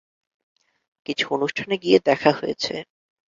কিছু অনুষ্ঠানে গিয়ে দেখা হয়েছে।